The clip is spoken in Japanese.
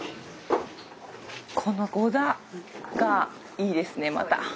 このゴザがいいですねまた。